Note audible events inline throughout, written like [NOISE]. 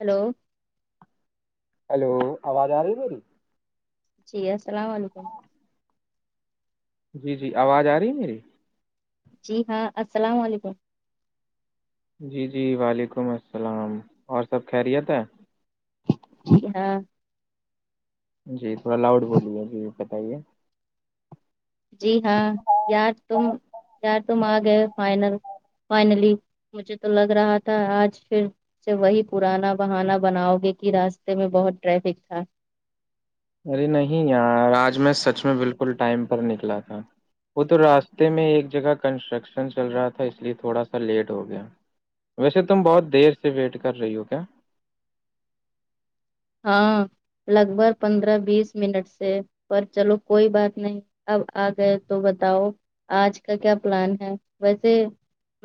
hello hello آواز آ رہی ہے بیری [UNINTELLIGIBLE] جی السلام علیکم جی جی آواز آ رہی ہے میری [UNINTELLIGIBLE] جی جی وعلیکم السلام اور سب خیریت ہے جی ہاں جی تھوڑا لاؤڈ بولیے جی بتائیے جی ہاں یار تم یار تم آ گی فائنل فائنلی [INAUDIBLE] مجھے تو لگ رہا تھا آج پھر وہی پرانا بہانا بناؤ گے کہ راستے میں بہت ٹریفک تھا ارے نہیں یار آج میں سچ میں بالکل ٹائم پر نکلا تھا وہ تو راستے میں ایک جگہ کنسٹرکشن چل رہا تھا اس لیے تھوڑا سا لیٹ ہو گیا ویسے تم بہت دیر سے ویٹ کر رہی ہو کیا ہاں لگ بھگ پندرہ بیس منٹ سے پر چلو کوئی بات نہیں اب آ گئے تو بتاؤ آج کا کیا پلان ہے ویسے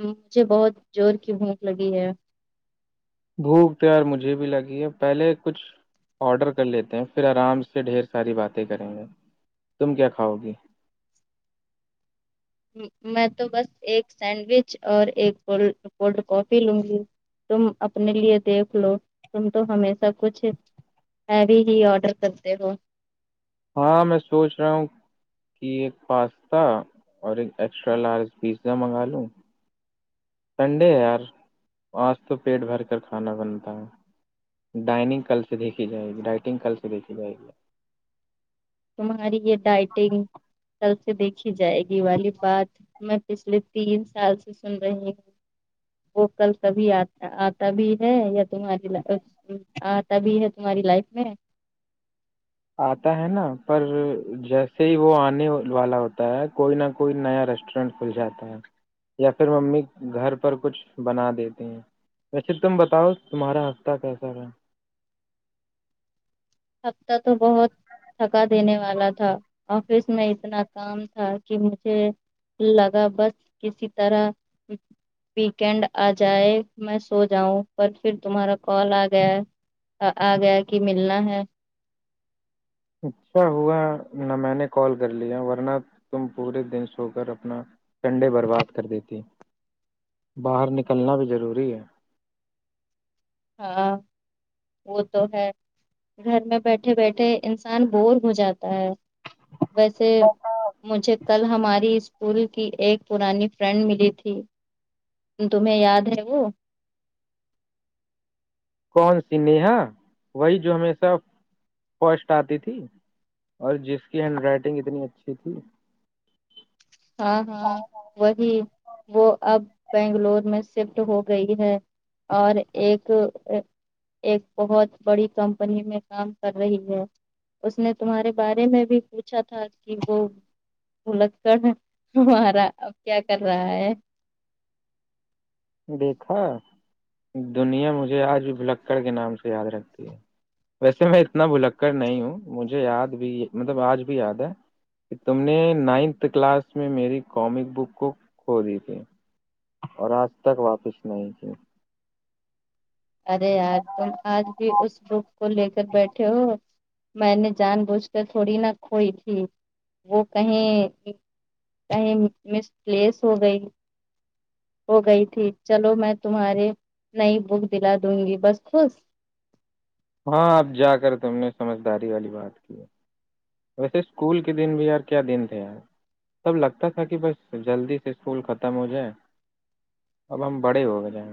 مجھے بہت جوور کی بھوک لگی ہے بھوک پیار مجھے بھی لگی ہے پہلے کچھ آڈر کر لیتے ہیں پھر آرام سے ڈھیر ساری باتیں کریں گے تم کیا کھاؤ گی میں تو بس ایک سینڈوچ اور ایک کول کولڈ کافی لوں گی تم اپنے لیے دیکھ لو تم تو ہمیشہ کچھ میں بھی ہی آڈر کرتے ہو ہاں میں سوچ رہا ہوں کہ ایک پاستا اور ایک ایکسٹرا لارج پیزا منگا لوں سنڈے ہے یار آج تو پیٹ بھر کر کھانا بنتا ہے ڈائننگ کل سے دیکھی جائے گی ڈائٹنگ کل سے دیکھی جائے گی تمہاری یہ ڈائٹنگ کل سے دیکھی جائے گی والی بات میں پچھلے تین سال سے سن رہی ہوں وہ کل کبھی آ آتا بھی ہے یا تمہاری ل [INAUDIBLE] آ تبھی ہے تمہاری لائف میں آتا ہے نا پر جیسے ہی وہ آنے والا ہوتا ہے کوئی نہ کوئی نیا ریسٹورینٹ کھل جاتا ہے یا پھر ممی گھر پر کچھ بنا دیتے ہیں ویسے تم بتاؤ تمہارا ہفسہ کیسا رہا [UNINTELLIGIBLE] ہفتہ تو بہت تھکا دینے والا تھا آفس میں اتنا کام تھا کہ مجھے لگا بس کسی طرح ویکینڈ آ جائے میں سو جاؤں پر پھر تمہارا کال آ گیا آ گیا کہ ملنا ہے اچھا ہوا نہ میں نے کال کر لیا ورنہ تم پورے دن سو کر اپنا ٹنڈے برباد کر دیتی باہر نکلنا بھی ضروری ہے ہاں وہ تو ہے گھر میں بیٹھے بیٹھے انسان بور ہو جاتا ہے ویسے کون مجھے کل ہماری اسکول کی ایک پرانی فرینڈ ملی تھی تمہیں یاد ہے وہ کون سی نیہا وہی جو ہمیشہ فرسٹ آتی تھی اور جس کی ہینڈ رائٹنگ اتنی اچھی تھی ہاں ہاں وہی وہ اب بنگلور میں شفٹ ہو گئی ہے اور ایک ایک بہت بڑی کمپنی میں کام کر رہی ہے اس نے تمہارے بارے میں بھی پوچھا تھا کہ وہ بلککڑ ہیں ارا ا کیا کر رہا ہے دیکھا دنیا مجھے آج بھی بلککڑ کے نام سے یاد رکھتی ہے ویسے میں اتنا بھلک کر نہیں ہوں مجھے یاد بھی مطلب آج بھی یاد ہے کہ تم نے نائنتھ کلاس میں میری کامک بک کو کھو دی تھی اور آج تک واپس نہیں کی ارے یار تم آج بھی اس بک کو لے کر بیٹھے ہو میں نے جان بوجھ کر تھوڑی نہا کھوئی تھی وہ کہیں کہیں مس پلیس ہو گئی ہو گئی تھی چلو میں تمہاری نئی بک دلا دوں گی بس خوش ہاں اب جا کر تم نے سمجداری والی بات کی ہے ویسے اسکول کے دن بھی یار کیا دن تھے یار سب لگتا تھا کہ بس جلدی سے اسکول ختم ہو جائےیں اب ہم بڑے ہو گئے جائ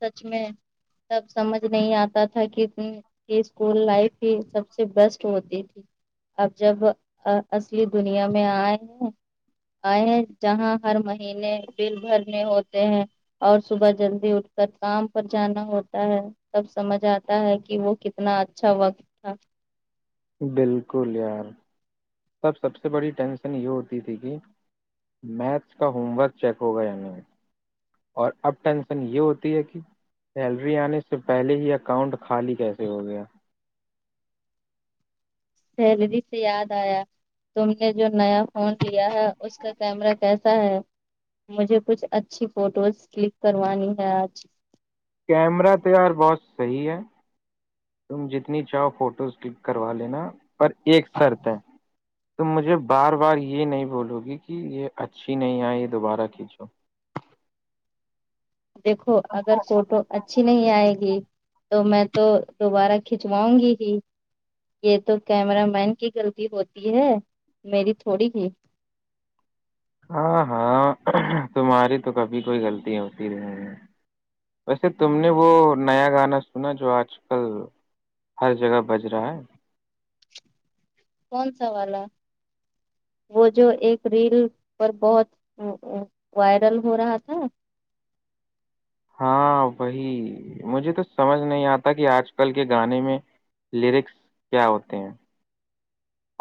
سچ میں تب سمجھ نہیں آتا تھا کہ کہ اسکول لائف ہی سب سے بیسٹ ہوتی تھی اب جب اصلی دنیا میں آئے ہیں آئے ہیں جہاں ہر مہینے بل بھرنے ہوتے ہیں اور صبح جلدی اٹھ کام پر جانا ہوتا ہے تب سمجھ آتا ہے کہ وہ کتنا اچھا وقت تھا بالکل یار سب سب سے بڑی ٹینشن یہ ہوتی تھی کہ میتھس کا ہوم ورک چیک ہوگا یا نہیں اور اب ٹینشن یہ ہوتی ہے کہ سیلری آنے سے پہلے ہی اکاؤنٹ خالی کیسے ہو گیا سیلری سے یاد آیا تم نے جو نیا فون لیا ہے اس کا کیمرہ کیسا ہے مجھے کچھ اچھی فوٹوز کلک کروانی ہے آج کیمرہ تو یار بہت صحی ہے تم جتنی چاہو فوٹوز کلک کروا لینا پر ایک شرط ہے تو مجھے بار بار یہ نہیں بولو گی کہ یہ اچھی نہیں آئے یہ دوبارہ کھینچو دیکھو اگر فوٹو اچھی نہیں آئے گی تو میں تو دوبارہ کھنچواؤں گی ہی یہ تو کیمرہ مین کی غلطی ہوتی ہے میری تھوڑی ہی ہاں ہاں تمہاری تو کبھی کوئی غلطی ہوتی رہ ہے ویسے تم نے وہ نیا گانا سنا جو آج کل ہر جگہ بج رہا ہے کون سا والا وہ جو ایک ریل پر بہت وائرل ہو رہا تھا ہاں وہی مجھے تو سمجھ نہیں آتا کہ آج کل کے گانے میں لیرکس کیا ہوتے ہیں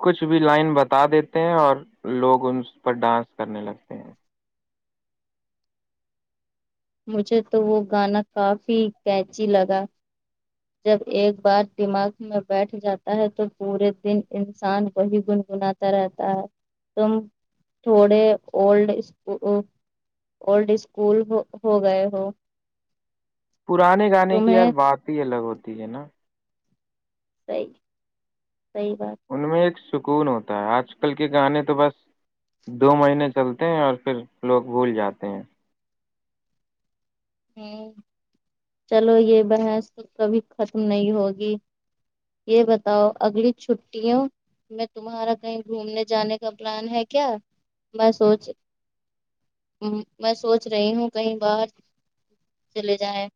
کچھ بھی لائن بتا دیتے ہیں اور لوگ ان پر ڈانس کرنے لگتے ہیں مجھے تو وہ گانا کافی قچی لگا جب ایک بار دماغ میں بیٹھ جاتا ہے تو پورے دن انسان وہی گنگناات رہتا ہے تم تھوڑے اولڈ اسک اولڈ اسکول ہو گئے ہو پرانے گانے کی یار تمہیں بات ہی الگ ہوتی ہے نا صحیح صحی بات ان میں ایک سکون ہوتا ہے آج کل کے گانے تو بس دو مہینے چلتے ہیں اور پھر لوگ بھول جاتے ہیں ہ چلو یہ بحث کبھی ختم نہیں ہوگی یہ بتاؤ اگلی چھٹیوں میں تمہارا کہیں گھومنے جانے کا پلان ہے کیا میں سوچ ہ میں سوچ رہی ہوں کئی بار چلے جائےیں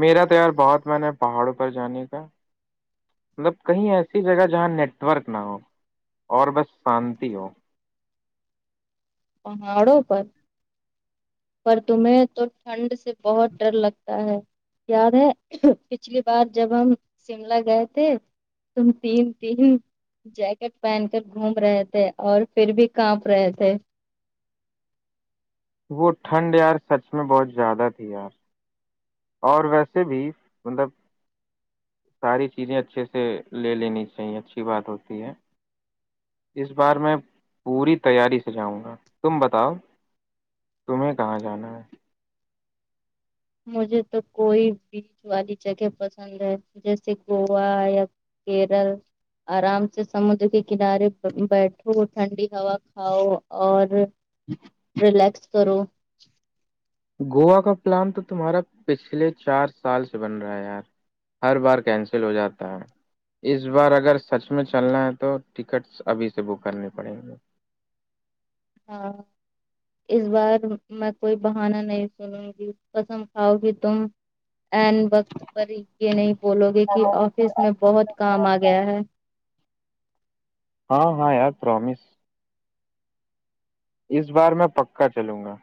میرا تو یار بہت میں نے پہاڑوں پر جانے کا مطلب کہیں ایسی جگہ جہاں نیٹ ورک نہ ہو اور بس شانتی ہو پہاڑوں پر پر تمہیں تو ٹھنڈ سے بہت ڈر لگتا ہے یاد ہے پچھلی بار جب ہم شملہ گئے تھے تم تین تین جیکٹ پہن کر گھوم رہے تھے اور پھر بھی کانپ رہے تھے وہ ٹھنڈ یار سچ میں بہت زیادہ تھی یار اور ویسے بھی مطلب ساری چیزیں اچھے سے لے لینی چاہیے اچھی بات ہوتی ہے اس بار میں پوری تیاری سے جاؤں گا تم بتاؤ تمہیں کہاں جانا ہے مجھے تو کوئی بیچ والی جگہ پسند ہے جیسے گووایا کیرل آرام سے سمندر کے کنارے بیٹھو ٹھنڈی ہوا کھاؤ اور ریلیکس کرو گووا کا پلان تو تمہارا پچھلے چار سال سے بن رہا ہے یار ہر بار کینسل ہو جاتا ہے اس بار اگر سچ میں چلنا ہے تو ٹکٹس ابھی سے بک کرنی پڑیں گی ہاں اس بار میں کوئی بہانا نہیں سنوں گی قسم کاؤ گ تم این وقت پر یہ نہیں بولو گے کہ آفس میں بہت کام آ گیا ہے ہاں ہاں یار پرمیس اس بار میں پکا چلوں گا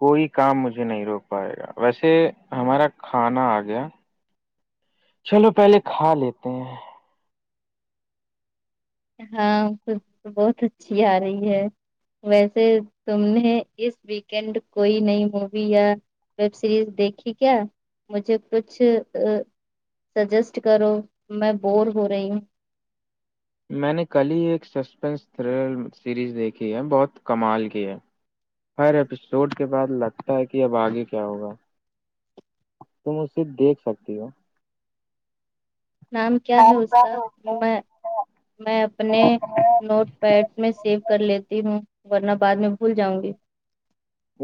کوئی کام مجھے نہیں روک پائے گا ویسے ہمارا کھانا آ گیا چلو پہلے کھا لیتے ہیں ہاں بہت اچھی آ رہی ہے ویسے تم نے اس ویکینڈ کوئی نئی مووی یا ویب سیریز دیکھیھی کیا مجھے کچھ سجیسٹ کرو میں بور ہو رہی ہوں میں نے کل ہی ایک سسپینس تھریلر سیریز دیکھی ہے بہت کمال کی ہے ہر ایپیسوڈ کے بعد لگتا ہے کہ اب آگے کیا ہوگا تم اسے دیکھ سکتی ہو نام کیا ہے اس کا میں میں اپنے نوٹ پیٹ میں سیو کر لیتی ہوں ورنہ بعد میں بھول جاؤں گی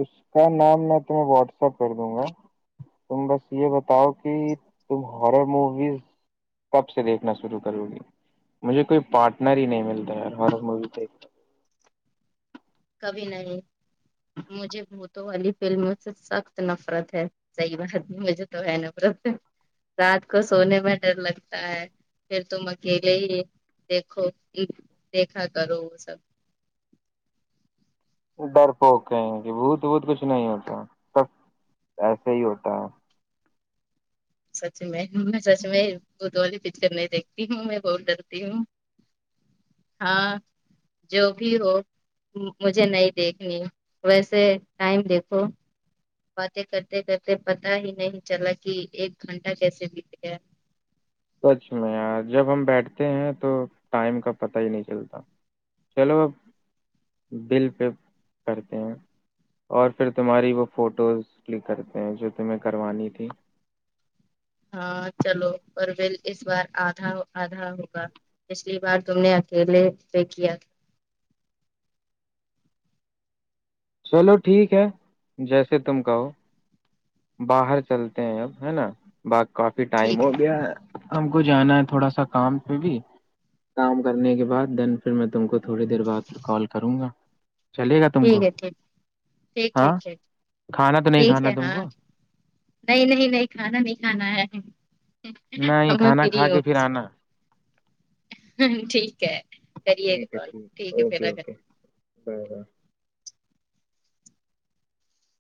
اس کا نام میں تمہیں واٹسپ کر دوں گا تم بس یہ بتاؤ کہ تم ہارر موویز کب سے دیکھنا شروع کروں گی مجھے کوئی پارٹنر ہی نہیں ملتا یار موی دیکھ کبھی نہیں مجھے بت تو والی فلموں سے سخت نفرت ہے صحیح بات نہیں مجھے تو ہے نفرت ہے رات کو سونے میں ڈر لگتا ہے پھر تم اکیلے ہی دیکھو دیکھا کرو وہ سب ڈر پو کہیں کہ بھوت بھت کچھ نہیں ہوتا سب ایسے ہی ہوتا ہے سچ میں میں سچ میں بت والی پکچر نہیں دیکھتی ہوں میں بہت ڈرتی ہوں ہاں جو بھی ہو مجھے نہیں دیکھنی ویسے ٹائم دیکھو باتیں کرتے کرتے پتا ہی نہیں چلا کہ ایک گھنٹہ کیسے بیت گیا سچ میں یار جب ہم بیٹھتے ہیں تو ٹائم کا پتہ ہی نہیں چلتا چلو اب بل پہ کرتے ہیں اور پھر تمہاری وہ فوٹوز کلک کرتے ہیں جو تمہیں کروانی تھی ہاں چلو اور ول اس بار آدھا آدھا ہوگا پچھلی بار تم نے اکیلے پہ کیا چلو ٹھیک ہے جیسے تم کہو باہر چلتے ہیں اب ہے نا باق کافی ٹائم ہو گیا ہے ہم کو جانا ہے تھوڑا سا کام پہ بھی کام کرنے کے بعد دین پھر میں تم کو تھوڑی دیر بعد پھر کال کروں گا چلے گا تم ٹھیک کو ہے ٹھیک ٹھیک ہاں ٹھیک ٹھیک کھانا تو نہیں ٹھیک کھانا ہے تم ہاں کو نہیں نہیں نہیں کھانا نہیں کھانا ہے نہیں ہم کھانا کھا فری کے پھر آنا ہ ٹھیک ہے کریے گا ٹھیک ہے کال ٹھیک ہے پھر اوکے ا کر اوکے [UNINTELLIGIBLE]